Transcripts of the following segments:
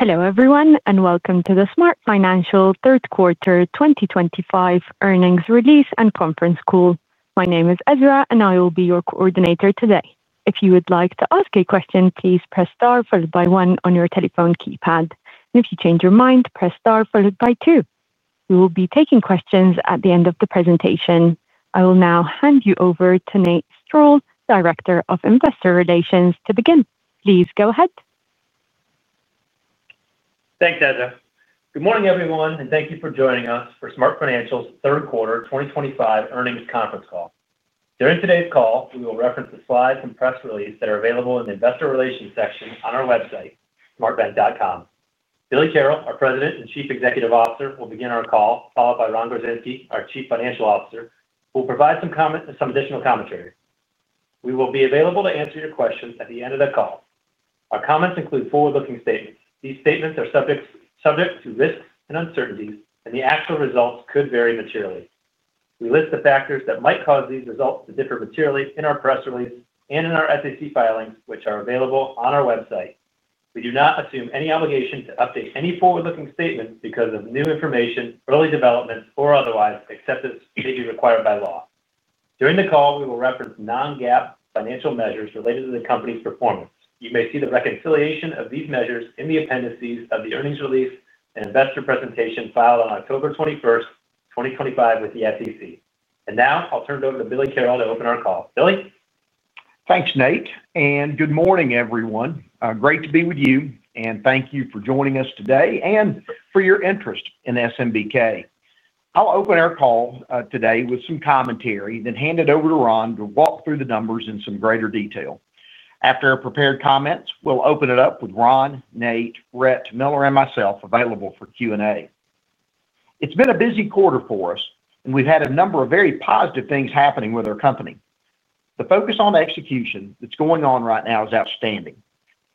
Hello everyone, and welcome to the SmartFinancial third quarter 2025 earnings release and conference call. My name is Ezra, and I will be your coordinator today. If you would like to ask a question, please press star followed by one on your telephone keypad. If you change your mind, press star followed by two. We will be taking questions at the end of the presentation. I will now hand you over to Nathan Strall, Director of Investor Relations, to begin. Please go ahead. Thanks, Ezra. Good morning everyone, and thank you for joining us for SmartFinancial's third quarter 2025 earnings conference call. During today's call, we will reference the slides and press release that are available in the Investor Relations section on our website, SmartFinancial.com. Billy Carroll, our President and Chief Executive Officer, will begin our call, followed by Ron Gorczynski, our Chief Financial Officer, who will provide some comment and some additional commentary. We will be available to answer your questions at the end of the call. Our comments include forward-looking statements. These statements are subject to risks and uncertainties, and the actual results could vary materially. We list the factors that might cause these results to differ materially in our press release and in our SEC filings, which are available on our website. We do not assume any obligation to update any forward-looking statement because of new information, early developments, or otherwise, except as may be required by law. During the call, we will reference non-GAAP financial measures related to the company's performance. You may see the reconciliation of these measures in the appendices of the earnings release and investor presentation filed on October 21st, 2025, with the SEC. Now, I'll turn it over to Billy Carroll to open our call. Billy? Thanks, Nathan, and good morning everyone. Great to be with you, and thank you for joining us today and for your interest in SMBK. I'll open our call today with some commentary, then hand it over to Ron to walk through the numbers in some greater detail. After our prepared comments, we'll open it up with Ron, Nathan, Rhett, Miller, and myself available for Q&A. It's been a busy quarter for us, and we've had a number of very positive things happening with our company. The focus on execution that's going on right now is outstanding.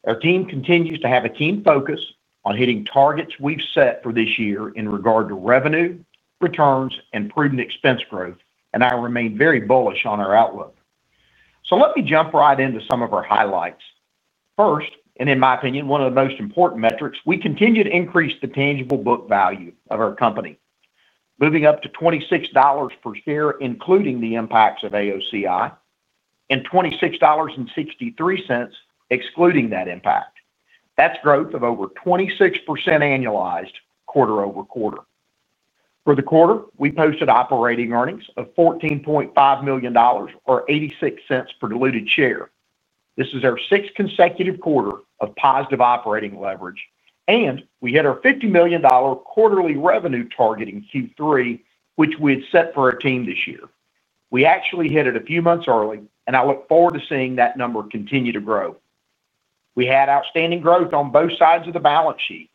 Our team continues to have a keen focus on hitting targets we've set for this year in regard to revenue, returns, and prudent expense growth, and I remain very bullish on our outlook. Let me jump right into some of our highlights. First, and in my opinion, one of the most important metrics, we continue to increase the tangible book value of our company, moving up to $26 per share, including the impacts of AOCI, and $26.63 excluding that impact. That's growth of over 26% annualized, quarter-over-quarter. For the quarter, we posted operating earnings of $14.5 million or $0.86 per diluted share. This is our sixth consecutive quarter of positive operating leverage, and we hit our $50 million quarterly revenue target in Q3, which we had set for our team this year. We actually hit it a few months early, and I look forward to seeing that number continue to grow. We had outstanding growth on both sides of the balance sheet,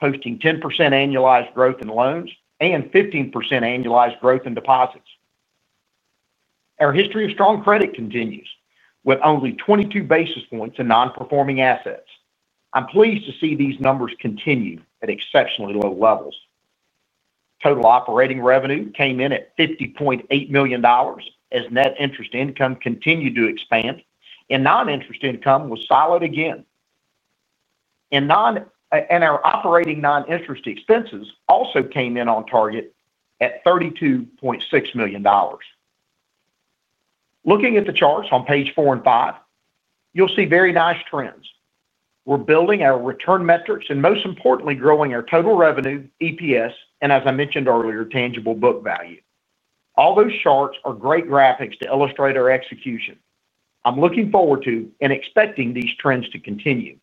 posting 10% annualized growth in loans and 15% annualized growth in deposits. Our history of strong credit continues with only 22 basis points in non-performing assets. I'm pleased to see these numbers continue at exceptionally low levels. Total operating revenue came in at $50.8 million as net interest income continued to expand, and non-interest income was siloed again. Our operating non-interest expenses also came in on target at $32.6 million. Looking at the charts on page four and five, you'll see very nice trends. We're building our return metrics and, most importantly, growing our total revenue, EPS, and, as I mentioned earlier, tangible book value. All those charts are great graphics to illustrate our execution. I'm looking forward to and expecting these trends to continue.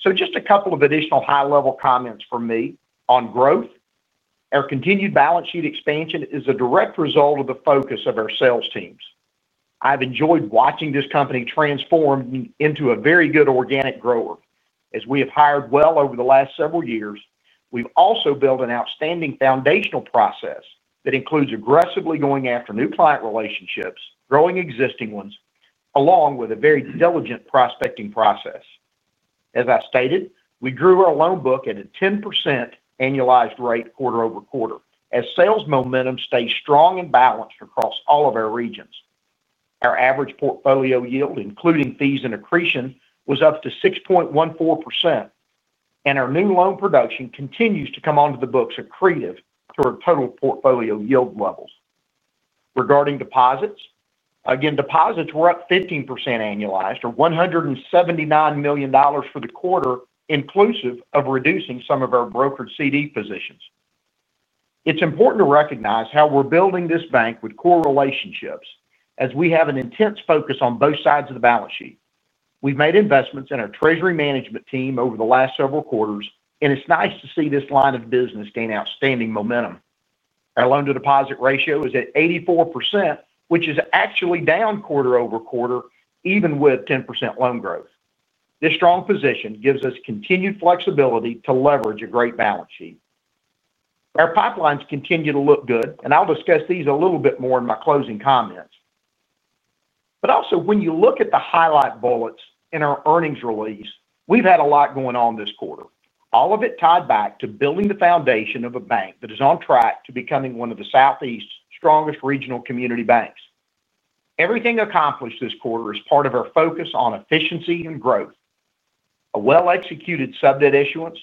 Just a couple of additional high-level comments from me on growth. Our continued balance sheet expansion is a direct result of the focus of our sales teams. I've enjoyed watching this company transform into a very good organic grower. As we have hired well over the last several years, we've also built an outstanding foundational process that includes aggressively going after new client relationships, growing existing ones, along with a very diligent prospecting process. As I stated, we grew our loan book at a 10% annualized rate, quarter-over-quarter, as sales momentum stays strong and balanced across all of our regions. Our average portfolio yield, including fees and accretion, was up to 6.14%, and our new loan production continues to come onto the books accretive to our total portfolio yield levels. Regarding deposits, again, deposits were up 15% annualized or $179 million for the quarter, inclusive of reducing some of our brokered CD positions. It's important to recognize how we're building this bank with core relationships as we have an intense focus on both sides of the balance sheet. We've made investments in our treasury management team over the last several quarters, and it's nice to see this line of business gain outstanding momentum. Our loan-to-deposit ratio is at 84%, which is actually down quarter-over-quarter, even with 10% loan growth. This strong position gives us continued flexibility to leverage a great balance sheet. Our pipelines continue to look good, and I'll discuss these a little bit more in my closing comments. Also, when you look at the highlight bullets in our earnings release, we've had a lot going on this quarter, all of it tied back to building the foundation of a bank that is on track to becoming one of the Southeast's strongest regional community banks. Everything accomplished this quarter is part of our focus on efficiency and growth: a well-executed subordinated debt issuance,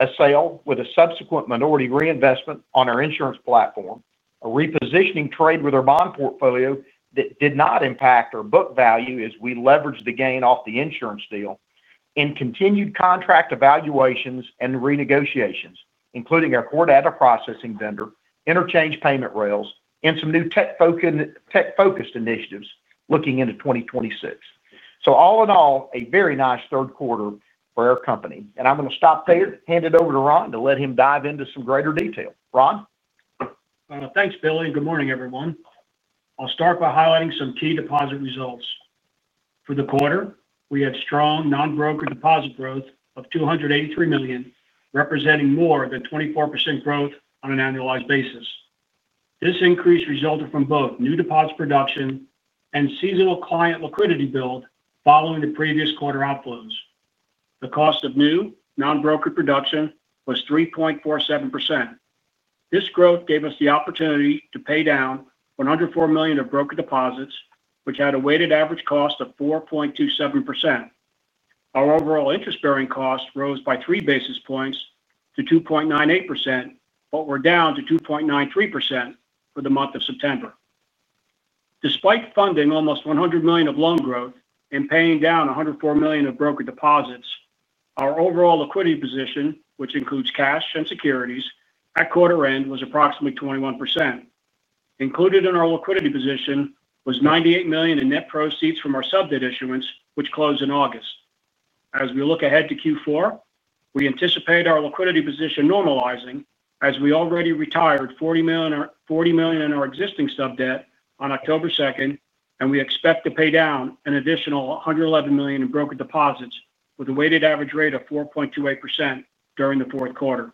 a sale with a subsequent minority reinvestment on our insurance platform, a repositioning trade with our bond portfolio that did not impact our book value as we leveraged the gain off the insurance deal, and continued contract evaluations and renegotiations, including our core data processing vendor, interchange payment rails, and some new tech-focused initiatives looking into 2026. All in all, a very nice third quarter for our company, and I'm going to stop there, hand it over to Ron to let him dive into some greater detail. Ron? Thanks, Billy, and good morning everyone. I'll start by highlighting some key deposit results. For the quarter, we had strong non-brokered deposit growth of $283 million, representing more than 24% growth on an annualized basis. This increase resulted from both new deposit production and seasonal client liquidity build following the previous quarter outflows. The cost of new non-brokered production was 3.47%. This growth gave us the opportunity to pay down $104 million of brokered deposits, which had a weighted average cost of 4.27%. Our overall interest-bearing cost rose by three basis points to 2.98%, but we're down to 2.93% for the month of September. Despite funding almost $100 million of loan growth and paying down $104 million of brokered deposits, our overall liquidity position, which includes cash and securities, at quarter end was approximately 21%. Included in our liquidity position was $98 million in net proceeds from our subordinated debt issuance, which closed in August. As we look ahead to Q4, we anticipate our liquidity position normalizing as we already retired $40 million in our existing sub debt on October 2nd, and we expect to pay down an additional $111 million in brokered deposits with a weighted average rate of 4.28% during the fourth quarter.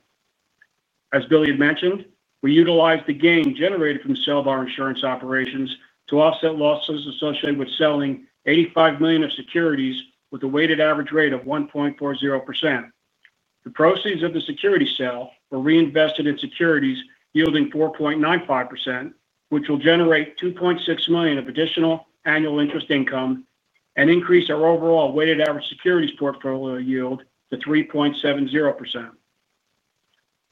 As Billy had mentioned, we utilized the gain generated from the sale of our insurance operations to offset losses associated with selling $85 million of securities with a weighted average rate of 1.40%. The proceeds of the securities sale were reinvested in securities yielding 4.95%, which will generate $2.6 million of additional annual interest income and increase our overall weighted average securities portfolio yield to 3.70%.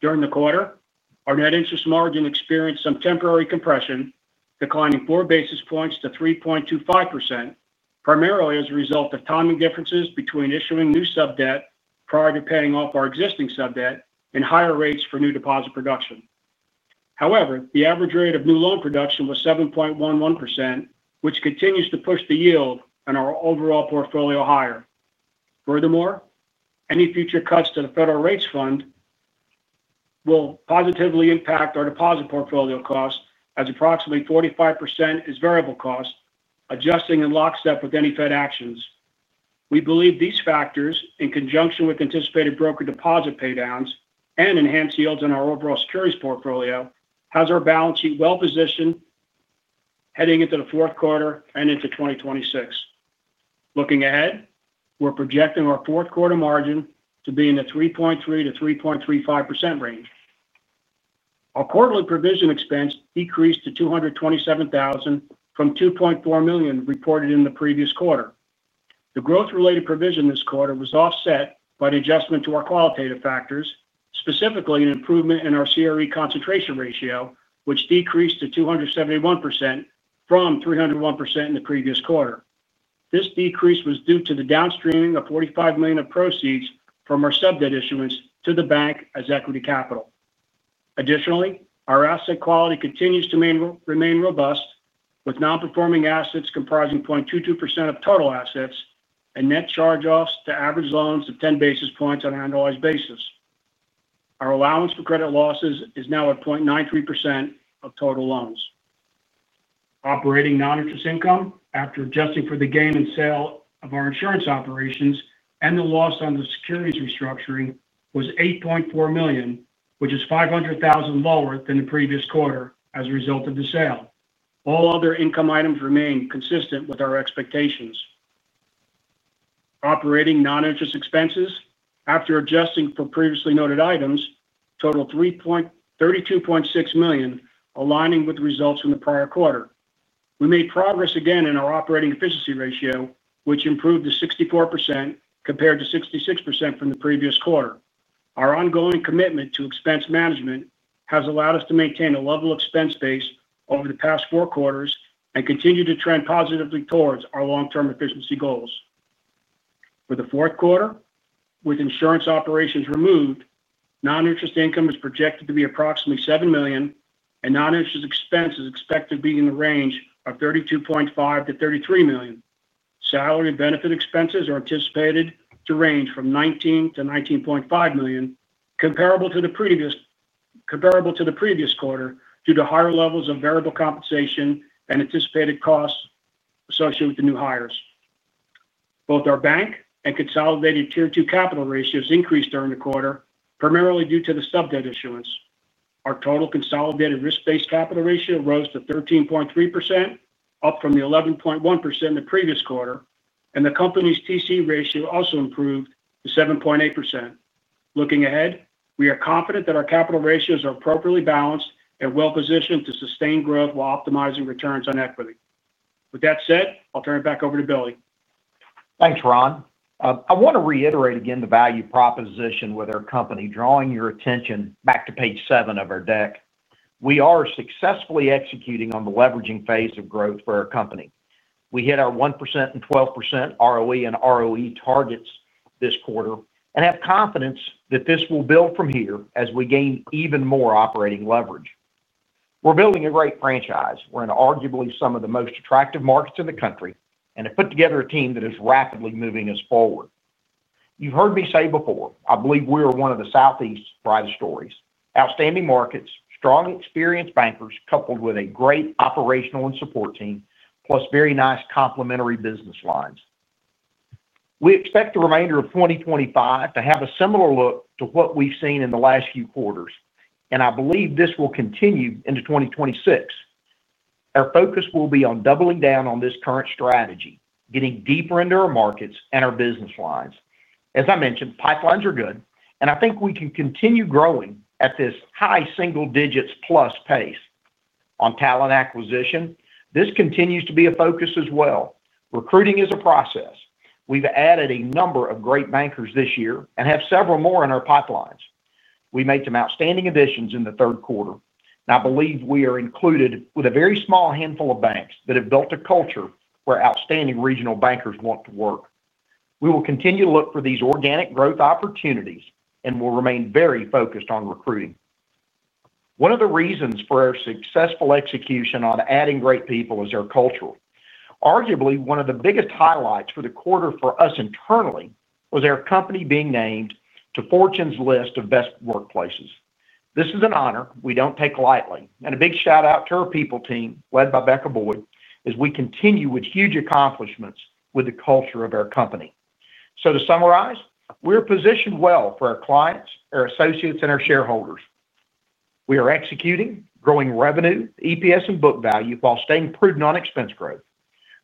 During the quarter, our net interest margin experienced some temporary compression, declining four basis points to 3.25%, primarily as a result of timing differences between issuing new subordinated debt prior to paying off our existing subordinated debt and higher rates for new deposit production. However, the average rate of new loan production was 7.11%, which continues to push the yield and our overall portfolio higher. Furthermore, any future cuts to the federal funds rate will positively impact our deposit portfolio costs, as approximately 45% is variable cost, adjusting in lockstep with any Fed actions. We believe these factors, in conjunction with anticipated brokered deposit paydowns and enhanced yields in our overall securities portfolio, have our balance sheet well positioned heading into the fourth quarter and into 2026. Looking ahead, we're projecting our fourth quarter margin to be in the 3.3%-3.35% range. Our quarterly provision expense decreased to $227,000 from $2.4 million reported in the previous quarter. The growth-related provision this quarter was offset by the adjustment to our qualitative factors, specifically an improvement in our CRE concentration ratio, which decreased to 271% from 301% in the previous quarter. This decrease was due to the downstreaming of $45 million of proceeds from our subordinated debt issuance to the bank as equity capital. Additionally, our asset quality continues to remain robust, with non-performing assets comprising 0.22% of total assets and net charge-offs to average loans of 10 basis points on an annualized basis. Our allowance for credit losses is now at 0.93% of total loans. Operating non-interest income, after adjusting for the gain and sale of our insurance operations and the loss on the securities restructuring, was $8.4 million, which is $500,000 lower than the previous quarter as a result of the sale. All other income items remain consistent with our expectations. Operating non-interest expenses, after adjusting for previously noted items, total $32.6 million, aligning with results from the prior quarter. We made progress again in our operating efficiency ratio, which improved to 64% compared to 66% from the previous quarter. Our ongoing commitment to expense management has allowed us to maintain a level expense base over the past four quarters and continue to trend positively towards our long-term efficiency goals. For the fourth quarter, with insurance operations removed, non-interest income is projected to be approximately $7 million, and non-interest expenses expected to be in the range of $32.5 million-$33 million. Salary and benefit expenses are anticipated to range from $19 million-$19.5 million, comparable to the previous quarter due to higher levels of variable compensation and anticipated costs associated with the new hires. Both our bank and consolidated tier-two capital ratios increased during the quarter, primarily due to the subordinated debt issuance. Our total consolidated risk-based capital ratio rose to 13.3%, up from the 11.1% in the previous quarter, and the company's TC ratio also improved to 7.8%. Looking ahead, we are confident that our capital ratios are appropriately balanced and well positioned to sustain growth while optimizing returns on equity. With that said, I'll turn it back over to Billy. Thanks, Ron. I want to reiterate again the value proposition with our company, drawing your attention back to page seven of our deck. We are successfully executing on the leveraging phase of growth for our company. We hit our 1% and 12% ROE and ROE targets this quarter and have confidence that this will build from here as we gain even more operating leverage. We're building a great franchise. We're in arguably some of the most attractive markets in the country and have put together a team that is rapidly moving us forward. You've heard me say before, I believe we are one of the Southeast's brightest stories: outstanding markets, strong experienced bankers coupled with a great operational and support team, plus very nice complementary business lines. We expect the remainder of 2025 to have a similar look to what we've seen in the last few quarters, and I believe this will continue into 2026. Our focus will be on doubling down on this current strategy, getting deeper into our markets and our business lines. As I mentioned, pipelines are good, and I think we can continue growing at this high single-digits plus pace. On talent acquisition, this continues to be a focus as well. Recruiting is a process. We've added a number of great bankers this year and have several more in our pipelines. We made some outstanding additions in the third quarter, and I believe we are included with a very small handful of banks that have built a culture where outstanding regional bankers want to work. We will continue to look for these organic growth opportunities and will remain very focused on recruiting. One of the reasons for our successful execution on adding great people is our culture. Arguably, one of the biggest highlights for the quarter for us internally was our company being named to Fortune's list of best workplaces. This is an honor we don't take lightly, and a big shout out to our people team led by Becca Boyd as we continue with huge accomplishments with the culture of our company. To summarize, we are positioned well for our clients, our associates, and our shareholders. We are executing, growing revenue, EPS, and book value while staying prudent on expense growth.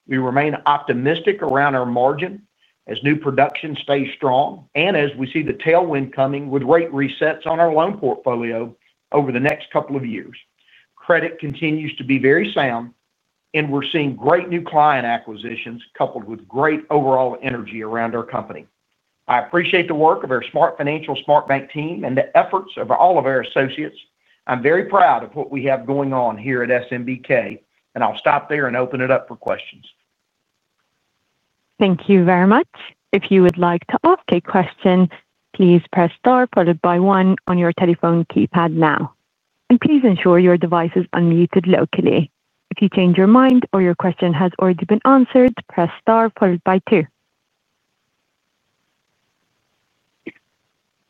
We remain optimistic around our margin as new production stays strong and as we see the tailwind coming with rate resets on our loan portfolio over the next couple of years. Credit continues to be very sound, and we're seeing great new client acquisitions coupled with great overall energy around our company. I appreciate the work of our SmartFinancial SmartBank team and the efforts of all of our associates. I'm very proud of what we have going on here at SNBK, and I'll stop there and open it up for questions. Thank you very much. If you would like to ask a question, please press star followed by one on your telephone keypad now. Please ensure your device is unmuted locally. If you change your mind or your question has already been answered, press star followed by two.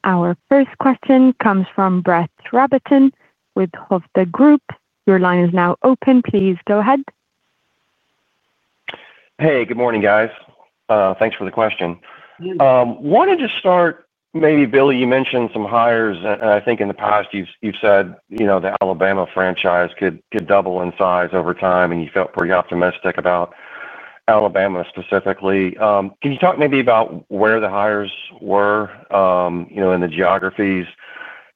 Our first question comes from Brett Rabatin with Hovde Group. Your line is now open. Please go ahead. Hey, good morning, guys. Thanks for the question. I wanted to start, maybe, Billy, you mentioned some hires, and I think in the past you've said the Alabama franchise could double in size over time, and you felt pretty optimistic about Alabama specifically. Can you talk, maybe, about where the hires were in the geographies?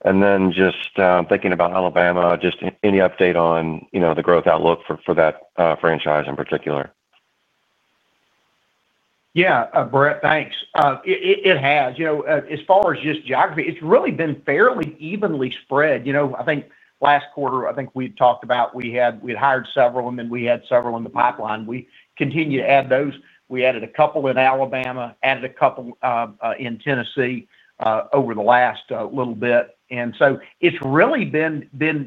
Just thinking about Alabama, any update on the growth outlook for that franchise in particular? Yeah, Brett, thanks. It has. As far as just geography, it's really been fairly evenly spread. I think last quarter, we had talked about we had hired several of them, and we had several in the pipeline. We continue to add those. We added a couple in Alabama, added a couple in Tennessee over the last little bit. It's really been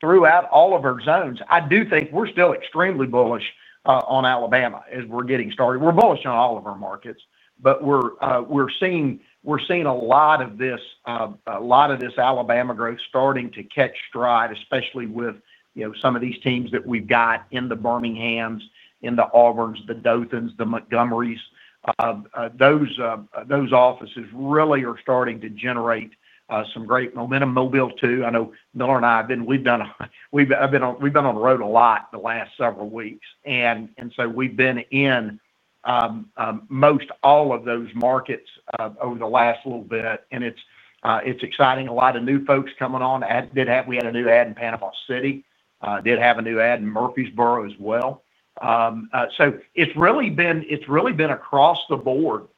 throughout all of our zones. I do think we're still extremely bullish on Alabama as we're getting started. We're bullish on all of our markets, but we're seeing a lot of this Alabama growth starting to catch stride, especially with some of these teams that we've got in the Birminghams, the Auburns, the Dothans, the Montgomerys. Those offices really are starting to generate some great momentum. Mobile too. I know Miller and I have been on the road a lot the last several weeks, and we've been in most all of those markets over the last little bit, and it's exciting. A lot of new folks coming on. We had a new add in Panama City. Did have a new add in Murfreesboro as well. It's really been across the board,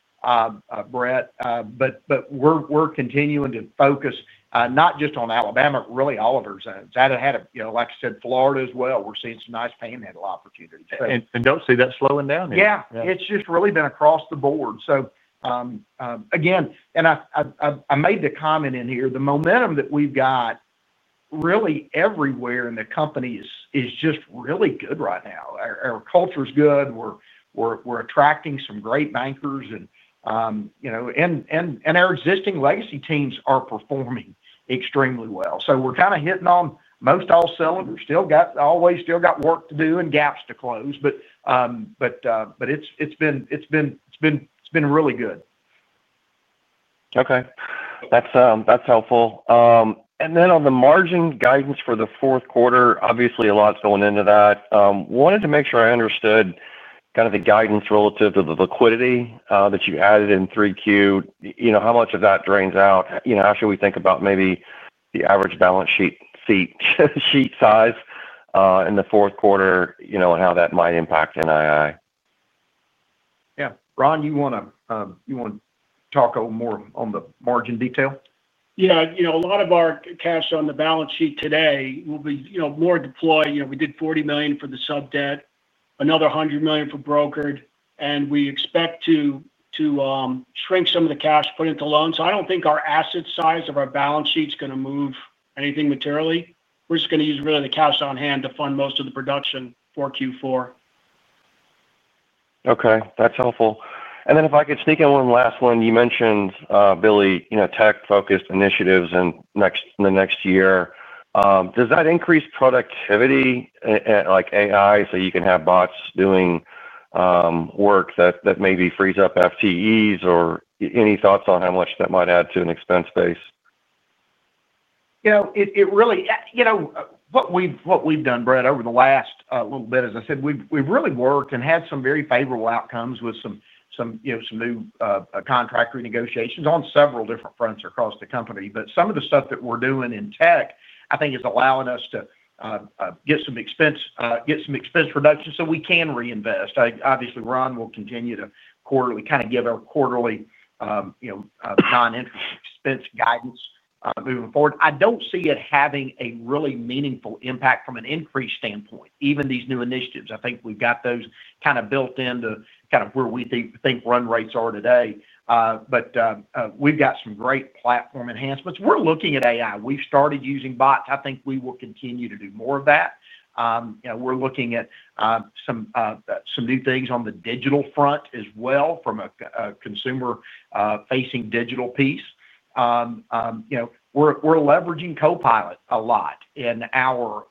Rhett, but we're continuing to focus not just on Alabama, but really all of our zones. Like I said, Florida as well. We're seeing some nice payment opportunities. I don't see that slowing down here. Yeah, it's just really been across the board. Again, I made the comment in here, the momentum that we've got really everywhere in the company is just really good right now. Our culture is good. We're attracting some great bankers, and our existing legacy teams are performing extremely well. We're kind of hitting on most all cylinders. Still got, always still got work to do and gaps to close, but it's been really good. Okay, that's helpful. On the margin guidance for the fourth quarter, obviously a lot's going into that. Wanted to make sure I understood kind of the guidance relative to the liquidity that you added in 3Q. How much of that drains out? How should we think about maybe the average balance sheet size in the fourth quarter, and how that might impact NII? Yeah, Ron, you want to talk a little more on the margin detail? Yeah, you know, a lot of our cash on the balance sheet today will be, you know, more deployed. We did $40 million for the sub debt, another $100 million for brokered, and we expect to shrink some of the cash put into loans. I don't think our asset size of our balance sheet's going to move anything materially. We're just going to use really the cash on hand to fund most of the production for Q4. Okay, that's helpful. If I could sneak in one last one, you mentioned, Billy, you know, tech-focused initiatives in the next year. Does that increase productivity like AI so you can have bots doing work that maybe frees up FTEs, or any thoughts on how much that might add to an expense base? You know, what we've done, Brett, over the last little bit, as I said, we've really worked and had some very favorable outcomes with some new contract renegotiations on several different fronts across the company. Some of the stuff that we're doing in tech, I think, is allowing us to get some expense reduction so we can reinvest. Obviously, Ron will continue to give our quarterly non-interest expense guidance moving forward. I don't see it having a really meaningful impact from an increase standpoint, even these new initiatives. I think we've got those kind of built into where we think run rates are today. We've got some great platform enhancements. We're looking at AI. We've started using bots. I think we will continue to do more of that. We're looking at some new things on the digital front as well from a consumer-facing digital piece. We're leveraging Copilot a lot in our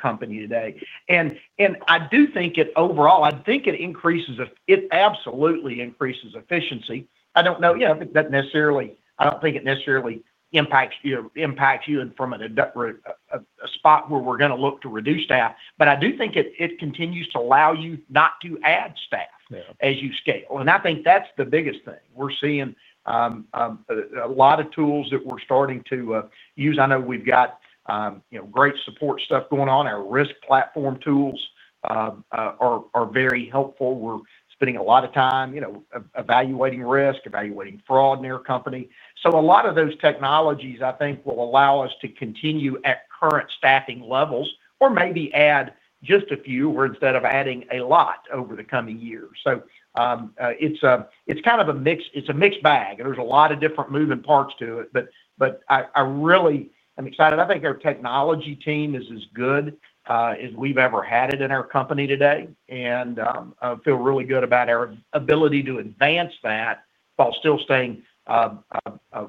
company today. I do think it absolutely increases efficiency. I don't think it necessarily impacts you from a spot where we're going to look to reduce staff. I do think it continues to allow you not to add staff as you scale. I think that's the biggest thing. We're seeing a lot of tools that we're starting to use. I know we've got great support stuff going on. Our risk platform tools are very helpful. We're spending a lot of time evaluating risk, evaluating fraud in our company. A lot of those technologies, I think, will allow us to continue at current staffing levels or maybe add just a few, instead of adding a lot over the coming years. It's kind of a mix, it's a mixed bag. There are a lot of different moving parts to it, but I really am excited. I think our technology team is as good as we've ever had it in our company today, and I feel really good about our ability to advance that while still staying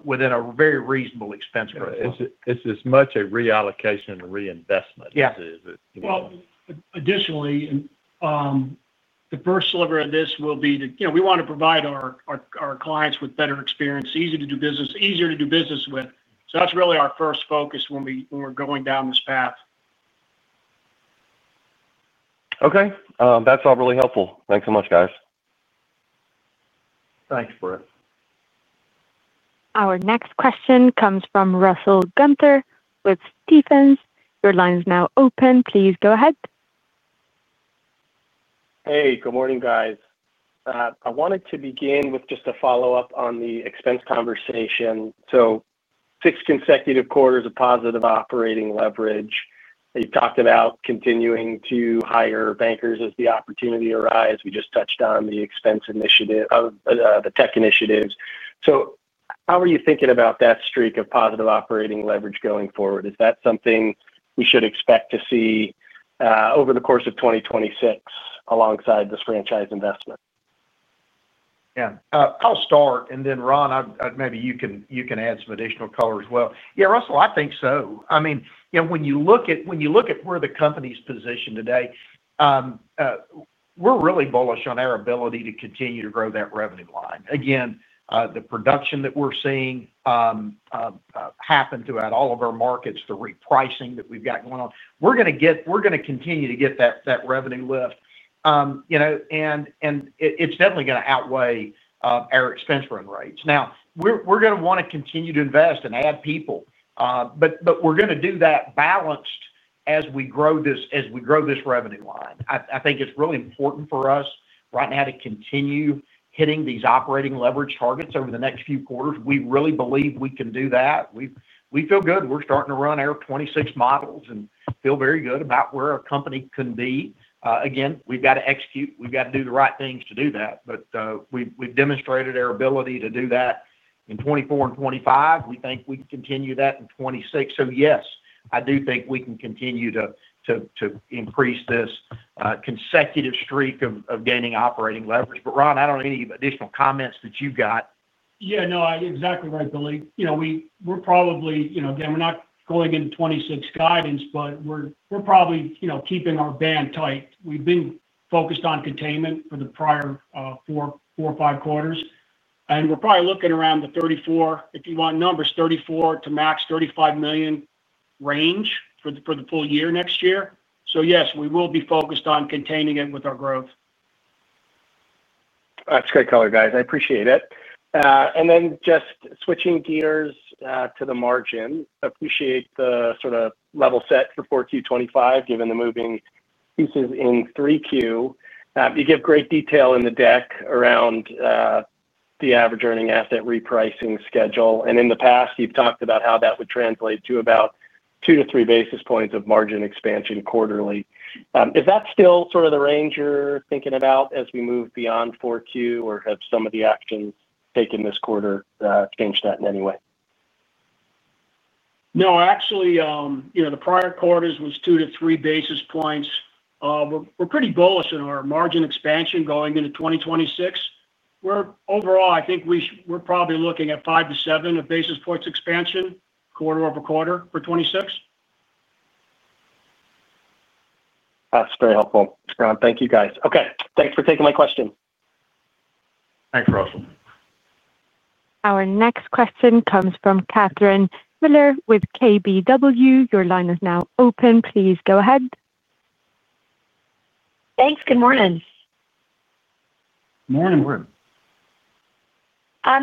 within a very reasonable expense profile. It's as much a reallocation and reinvestment as it is. Additionally, the first sliver of this will be to, you know, we want to provide our clients with better experience, easier to do business, easier to do business with. That's really our first focus when we're going down this path. Okay, that's all really helpful. Thanks so much, guys. Thanks, Brett. Our next question comes from Russell Gunther with Stephens. Your line is now open. Please go ahead. Hey, good morning, guys. I wanted to begin with just a follow-up on the expense conversation. Six consecutive quarters of positive operating leverage. You've talked about continuing to hire bankers as the opportunity arises. We just touched on the expense initiative, the tech initiatives. How are you thinking about that streak of positive operating leverage going forward? Is that something we should expect to see over the course of 2026 alongside this franchise investment? Yeah, I'll start, and then Ron, maybe you can add some additional color as well. Yeah, Russell, I think so. I mean, you know, when you look at where the company's positioned today, we're really bullish on our ability to continue to grow that revenue line. Again, the production that we're seeing happen throughout all of our markets, the repricing that we've got going on, we're going to get, we're going to continue to get that revenue lift. You know, and it's definitely going to outweigh our expense run rates. Now, we're going to want to continue to invest and add people, but we're going to do that balanced as we grow this revenue line. I think it's really important for us right now to continue hitting these operating leverage targets over the next few quarters. We really believe we can do that. We feel good. We're starting to run our 2026 models and feel very good about where our company can be. Again, we've got to execute. We've got to do the right things to do that. We've demonstrated our ability to do that in 2024 and 2025. We think we can continue that in 2026. Yes, I do think we can continue to increase this consecutive streak of gaining operating leverage. Ron, I don't know any additional comments that you've got. Yeah, exactly right, Billy. We're probably not going into 2026 guidance, but we're probably keeping our band tight. We've been focused on containment for the prior four or five quarters, and we're probably looking around the $34 million, if you want numbers, $34 million to max $35 million range for the full year next year. Yes, we will be focused on containing it with our growth. That's a good color, guys. I appreciate it. Just switching gears to the margin, appreciate the sort of level set for Q4 2025, given the moving pieces in Q3. You give great detail in the deck around the average earning asset repricing schedule, and in the past, you've talked about how that would translate to about two to three basis points of margin expansion quarterly. Is that still sort of the range you're thinking about as we move beyond Q4, or have some of the actions taken this quarter changed that in any way? No, actually, the prior quarters was two to three basis points. We're pretty bullish in our margin expansion going into 2026. Overall, I think we're probably looking at five to seven basis points expansion, quarter-over-quarter for 2026. That's very helpful. Thanks, Ron. Thank you, guys. Okay, thanks for taking my question. Thanks, Russell. Our next question comes from Catherine Mealor with KBW. Your line is now open. Please go ahead. Thanks. Good morning. Morning.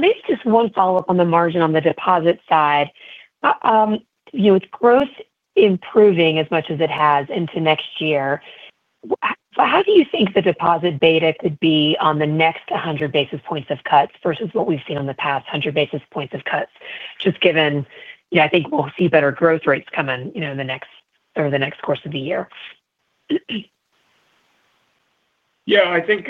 Maybe just one follow-up on the margin on the deposit side. With growth improving as much as it has into next year, how do you think the deposit beta could be on the next 100 basis points of cuts versus what we've seen on the past 100 basis points of cuts, just given I think we'll see better growth rates coming in the next over the next course of the year? I think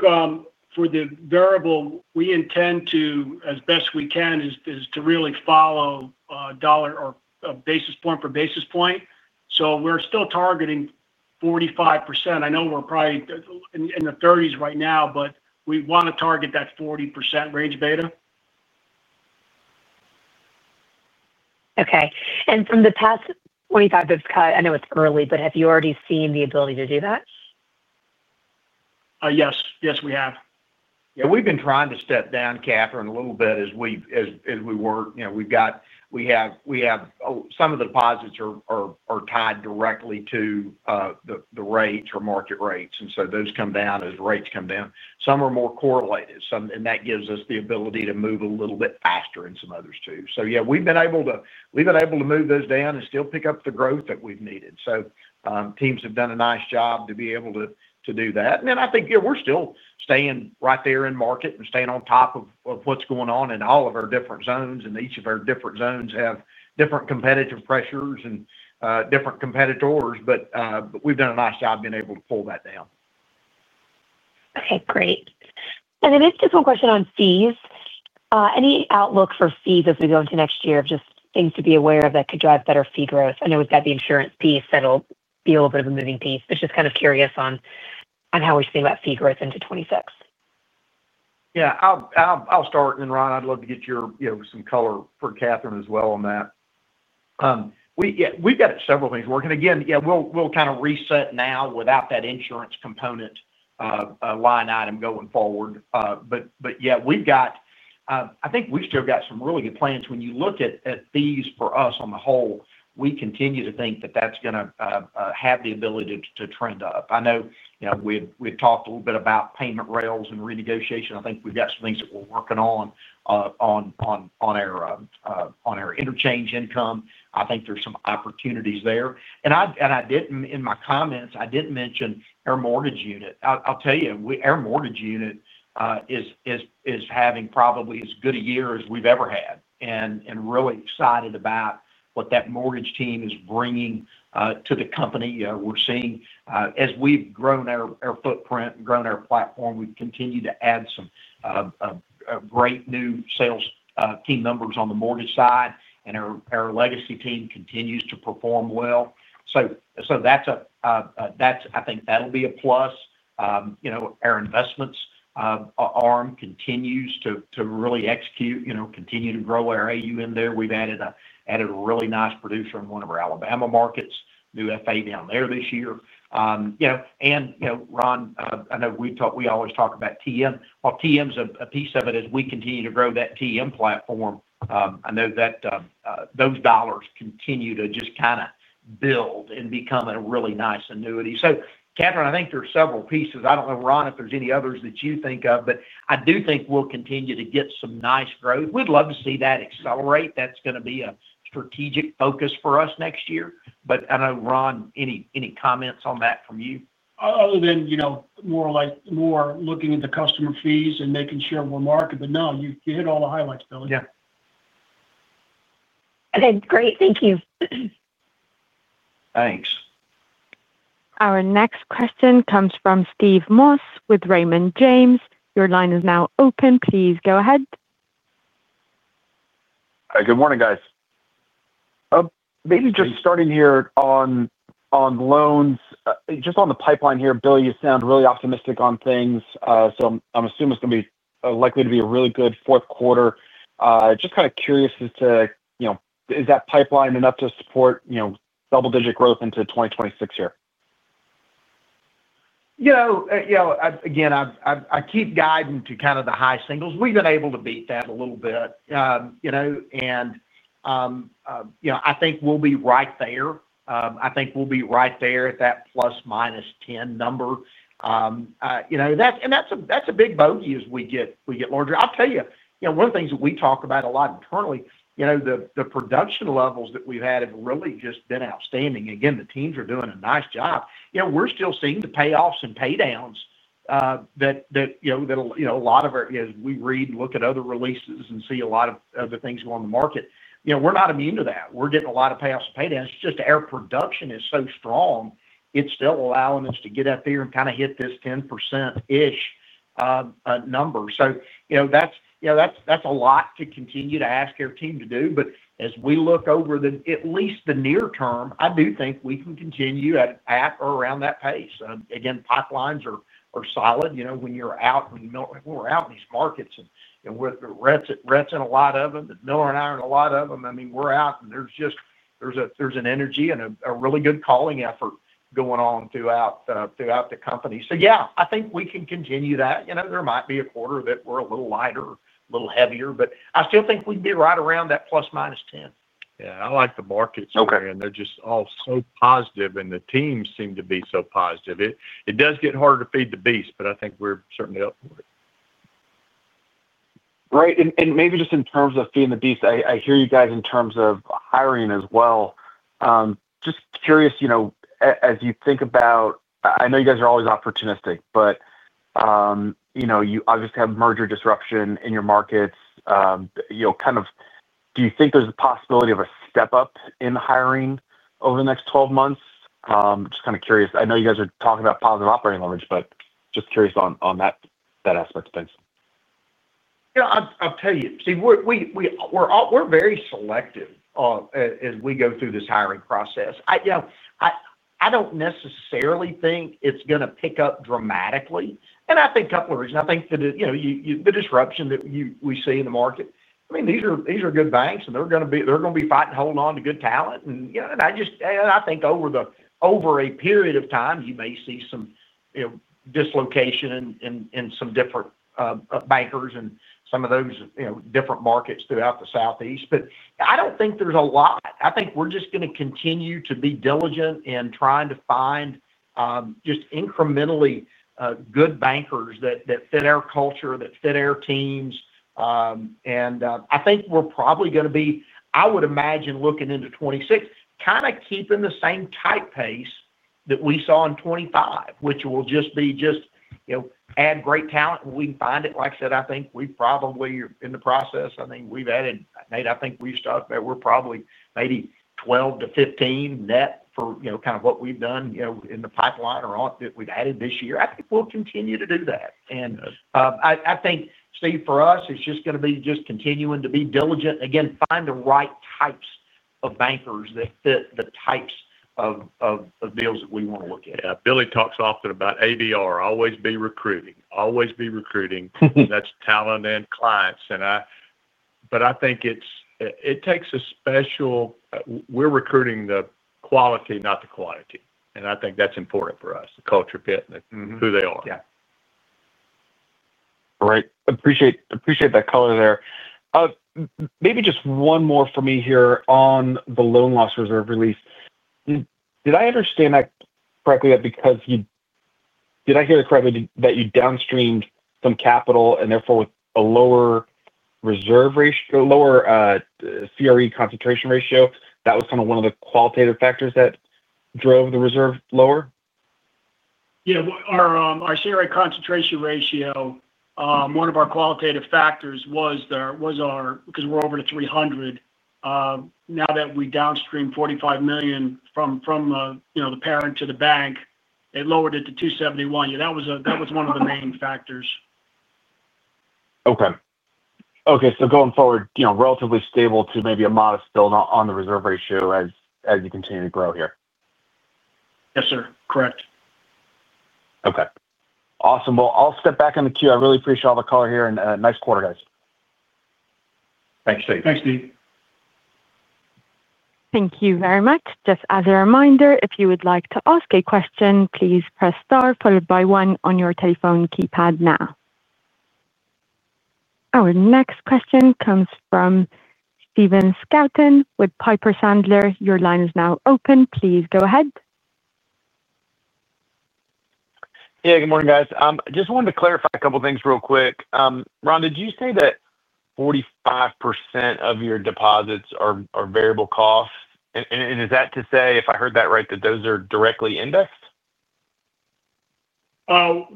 for the variable, we intend to, as best we can, really follow a dollar or a basis point per basis point. We're still targeting 45%. I know we're probably in the 30s right now, but we want to target that 40% range beta. Okay. From the past 25 bps of cut, I know it's early, but have you already seen the ability to do that? Yes, we have. Yeah, we've been trying to step down, Catherine, a little bit as we work. We've got some of the deposits are tied directly to the rates or market rates, and those come down as rates come down. Some are more correlated, and that gives us the ability to move a little bit faster in some others too. We've been able to move those down and still pick up the growth that we've needed. Teams have done a nice job to be able to do that. I think we're still staying right there in market and staying on top of what's going on in all of our different zones, and each of our different zones have different competitive pressures and different competitors, but we've done a nice job being able to pull that down. Okay, great. It's just one question on fees. Any outlook for fees as we go into next year or just things to be aware of that could drive better fee growth? I know we've got the insurance piece that'll be a little bit of a moving piece, but just kind of curious on how we're seeing that fee growth into 2026. Yeah, I'll start, and then Ron, I'd love to get your, you know, some color for Catherine as well on that. We've got several things working. Again, we'll kind of reset now without that insurance component line item going forward. We've got, I think we've still got some really good plans. When you look at fees for us on the whole, we continue to think that that's going to have the ability to trend up. I know, you know, we've talked a little bit about payment rails and renegotiation. I think we've got some things that we're working on on our interchange income. I think there's some opportunities there. I didn't, in my comments, I didn't mention our mortgage unit. I'll tell you, our mortgage unit is having probably as good a year as we've ever had and really excited about what that mortgage team is bringing to the company. We're seeing, as we've grown our footprint and grown our platform, we've continued to add some great new sales team members on the mortgage side, and our legacy team continues to perform well. I think that'll be a plus. Our investments arm continues to really execute, continue to grow our AU in there. We've added a really nice producer in one of our Alabama markets, new FA down there this year. Ron, I know we always talk about treasury management. Treasury management's a piece of it as we continue to grow that treasury management platform. I know that those dollars continue to just kind of build and become a really nice annuity. Catherine, I think there's several pieces. I don't know, Ron, if there's any others that you think of, but I do think we'll continue to get some nice growth. We'd love to see that accelerate. That's going to be a strategic focus for us next year. Ron, any comments on that from you? Other than, you know, more like more looking at the customer fees and making sure we're market, but no, you hit all the highlights, Billy. Yeah. Okay, great. Thank you. Thanks. Our next question comes from Steve Moss with Raymond James. Your line is now open. Please go ahead. Good morning, guys. Maybe just starting here on loans, just on the pipeline here, Billy, you sound really optimistic on things. I'm assuming it's going to be likely to be a really good fourth quarter. Just kind of curious as to, you know, is that pipeline enough to support, you know, double-digit growth into 2026 here? I keep guiding to kind of the high singles. We've been able to beat that a little bit, and I think we'll be right there. I think we'll be right there at that ±10 number. That's a big bogey as we get larger. I'll tell you, one of the things that we talk about a lot internally, the production levels that we've had have really just been outstanding. The teams are doing a nice job. We're still seeing the payoffs and paydowns that, as we read and look at other releases and see a lot of other things going on in the market, we're not immune to that. We're getting a lot of payoffs and paydowns. It's just our production is so strong, it's still allowing us to get up there and kind of hit this 10%-ish number. That's a lot to continue to ask our team to do. As we look over at least the near term, I do think we can continue at or around that pace. Pipelines are solid. When we're out in these markets and with Brett in a lot of them, Miller and I are in a lot of them. I mean, we're out and there's just, there's an energy and a really good calling effort going on throughout the company. I think we can continue that. There might be a quarter that we're a little lighter, a little heavier, but I still think we'd be right around that ±10. Yeah, I like the markets here, and they're just all so positive, and the teams seem to be so positive. It does get harder to feed the beast, but I think we're certainly up for it. Right, and maybe just in terms of feeding the beast, I hear you guys in terms of hiring as well. Just curious, as you think about, I know you guys are always opportunistic, but you obviously have merger disruption in your markets. Do you think there's a possibility of a step up in hiring over the next 12 months? Just curious. I know you guys are talking about positive operating leverage, just curious on that aspect, thanks. Yeah, I'll tell you, we're very selective as we go through this hiring process. I don't necessarily think it's going to pick up dramatically, and I think a couple of reasons. The disruption that we see in the market, I mean, these are good banks, and they're going to be fighting to hold on to good talent. Over a period of time, you may see some dislocation in some different bankers and some of those different markets throughout the Southeast. I don't think there's a lot. We're just going to continue to be diligent in trying to find just incrementally good bankers that fit our culture, that fit our teams. I think we're probably going to be, I would imagine, looking into 2026, kind of keeping the same type pace that we saw in 2025, which will just be just add great talent when we can find it. Like I said, I think we've probably, in the process, I think we've added, Nate, I think we've stopped about, we're probably maybe 12 to 15 net for what we've done in the pipeline or that we've added this year. I think we'll continue to do that. Steve, for us, it's just going to be just continuing to be diligent and, again, find the right types of bankers that fit the types of deals that we want to look at. Yeah, Billy talks often about AVR. Always be recruiting. Always be recruiting. That's talent and clients. I think it takes a special, we're recruiting the quality, not the quantity. I think that's important for us, the culture fit and who they are. Great. Appreciate that color there. Maybe just one more for me here on the loan loss reserve release. Did I understand that correctly that because you, did I hear that correctly that you downstreamed some capital and therefore with a lower reserve ratio, lower CRE concentration ratio? That was kind of one of the qualitative factors that drove the reserve lower? Yeah, our CRE concentration ratio, one of our qualitative factors was our, because we're over 300. Now that we downstreamed $45 million from the parent to the bank, it lowered it to 271. Yeah, that was one of the main factors. Okay, so going forward, you know, relatively stable to maybe a modest build on the reserve ratio as you continue to grow here? Yes, sir. Correct. Okay. Awesome. I’ll step back in the queue. I really appreciate all the color here and a nice quarter, guys. Thanks, Steve. Thanks, Steve. Thank you very much. Just as a reminder, if you would like to ask a question, please press star followed by one on your telephone keypad now. Our next question comes from Stephen Scouten with Piper Sandler. Your line is now open. Please go ahead. Yeah, good morning, guys. I just wanted to clarify a couple of things real quick. Ron, did you say that 45% of your deposits are variable costs? Is that to say, if I heard that right, that those are directly indexed?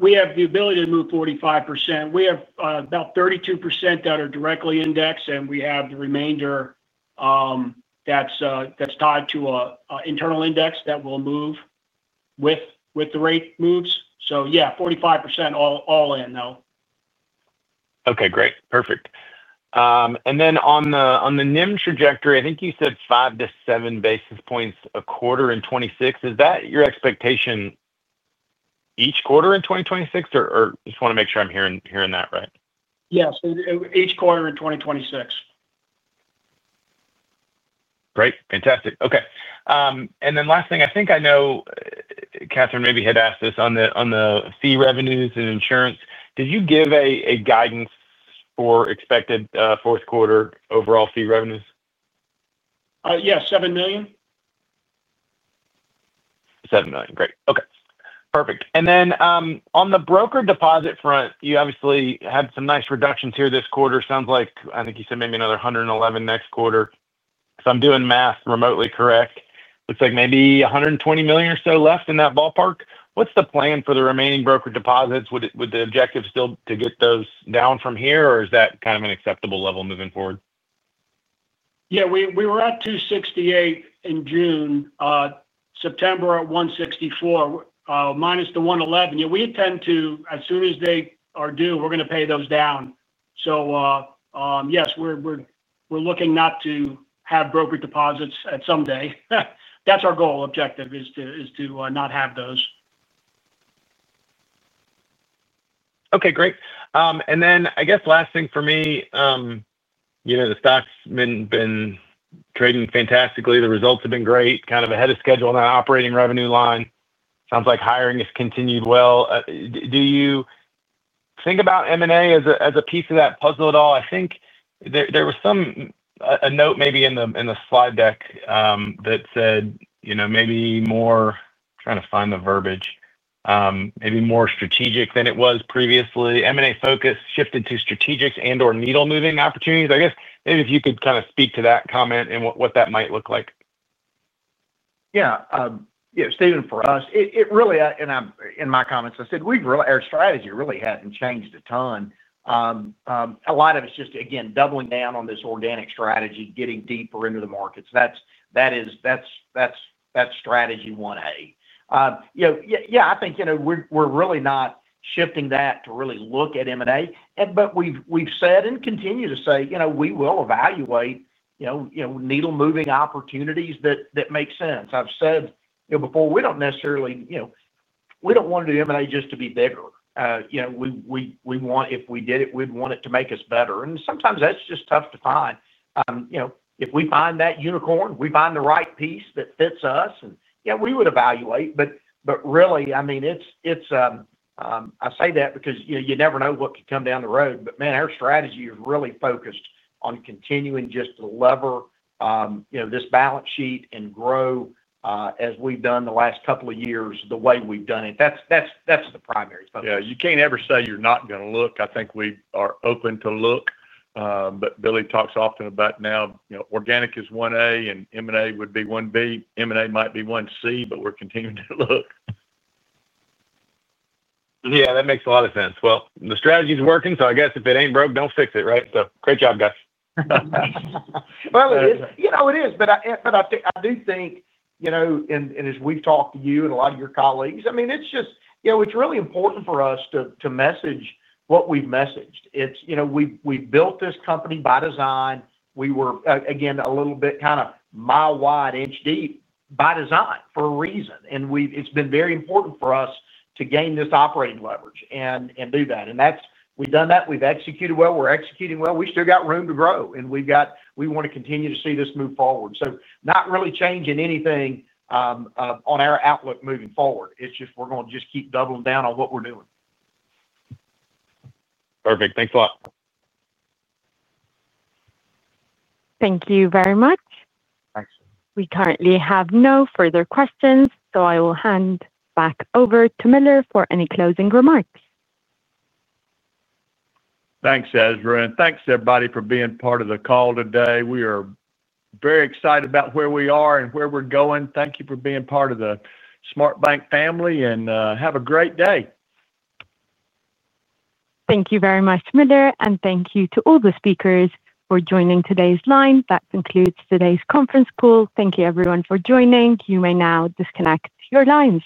We have the ability to move 45%. We have about 32% that are directly indexed, and we have the remainder that's tied to an internal index that will move with the rate moves. Yes, 45% all in, though. Okay, great. Perfect. On the NIM trajectory, I think you said five to seven basis points a quarter in 2026. Is that your expectation each quarter in 2026, or just want to make sure I'm hearing that right? Yes, each quarter in 2026. Great. Fantastic. Okay. I think I know Catherine maybe had asked this on the fee revenues and insurance. Did you give a guidance for expected fourth quarter overall fee revenues? Yeah, $7 million. $7 million. Great. Okay. Perfect. On the brokered deposit front, you obviously had some nice reductions here this quarter. It sounds like, I think you said maybe another $111 million next quarter. If I'm doing math remotely correct, it looks like maybe $120 million or so left in that ballpark. What's the plan for the remaining brokered deposits? Would the objective still be to get those down from here, or is that kind of an acceptable level moving forward? Yeah, we were at $268 million in June, September at $164 million, minus the $111 million. We intend to, as soon as they are due, we're going to pay those down. Yes, we're looking not to have brokered deposits at some day. That's our goal objective is to not have those. Okay, great. I guess last thing for me, you know, the stock's been trading fantastically. The results have been great, kind of ahead of schedule on that operating revenue line. Sounds like hiring has continued well. Do you think about M&A as a piece of that puzzle at all? I think there was some note maybe in the slide deck that said, you know, maybe more, trying to find the verbiage, maybe more strategic than it was previously. M&A focus shifted to strategics and/or needle moving opportunities. I guess maybe if you could kind of speak to that comment and what that might look like. Yeah. Steven, for us, it really, and in my comments, I said we've really, our strategy really hasn't changed a ton. A lot of it's just, again, doubling down on this organic strategy, getting deeper into the markets. That's strategy 1A. I think we're really not shifting that to really look at M&A, but we've said and continue to say we will evaluate needle moving opportunities that make sense. I've said before, we don't necessarily, we don't want to do M&A just to be bigger. We want, if we did it, we'd want it to make us better. Sometimes that's just tough to find. If we find that unicorn, we find the right piece that fits us, we would evaluate. I say that because you never know what could come down the road. Our strategy is really focused on continuing just to lever this balance sheet and grow as we've done the last couple of years the way we've done it. That's the primary focus. Yeah, you can't ever say you're not going to look. I think we are open to look. Billy talks often about now, you know, organic is 1A and M&A would be 1B. M&A might be 1C, but we're continuing to look. That makes a lot of sense. The strategy's working, so I guess if it ain't broke, don't fix it, right? Great job, guys. I do think, as we've talked to you and a lot of your colleagues, it's really important for us to message what we've messaged. We built this company by design. We were, again, a little bit kind of mile wide, inch deep by design for a reason. It's been very important for us to gain this operating leverage and do that. We've done that. We've executed well. We're executing well. We still got room to grow, and we want to continue to see this move forward. Not really changing anything on our outlook moving forward. We're going to just keep doubling down on what we're doing. Perfect. Thanks a lot. Thank you very much. Thanks. We currently have no further questions, so I will hand back over to Miller Welborn for any closing remarks. Thanks, Ezra. Thanks, everybody, for being part of the call today. We are very excited about where we are and where we're going. Thank you for being part of the SmartFinancial family, and have a great day. Thank you very much, Miller, and thank you to all the speakers for joining today's line. That concludes today's conference call. Thank you, everyone, for joining. You may now disconnect your lines.